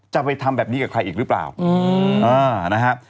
จะไปทำแบบนี้กับใครอีกหรือเปล่านะฮะ